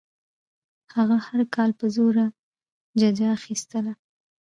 هغه هر کال په زوره ججه اخیستله.